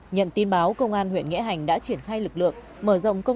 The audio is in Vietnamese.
nhận tin báo công an huyện nghĩa hành đã triển khai lực lượng